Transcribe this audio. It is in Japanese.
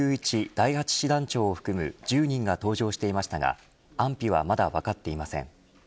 第８師団長を含む１０人が搭乗していましたが安否はまだわかっていません。